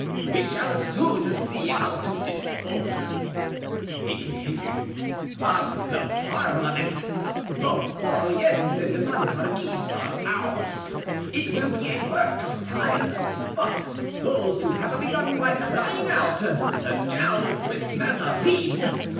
We shall soon see how to dispose," he continued, "of the parliament! Both Orleans and Montargis are ours. It will be a work of time, but those who have begun by crying out: Down with Mazarin!